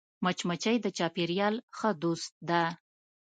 مچمچۍ د چاپېریال ښه دوست ده